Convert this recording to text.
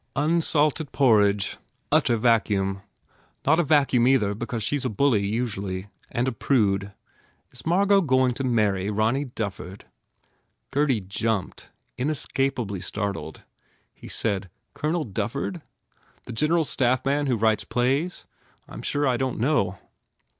"Unsalted porridge. Utter vacuum. Not a vacuum either because she s a bully, usually. And a prude. Is Margot going to marry Ronny Dufford?" Gurdy jumped, inescapably startled. He said, "Colonel Dufford? The General Staff man who writes plays? I m sure I don t know."